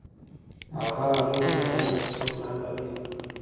هغه هغې ته د ځلانده شپه ګلان ډالۍ هم کړل.